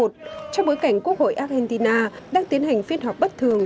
trong bối cảnh quốc hội argentina đang tiến hành phiên họp bất thường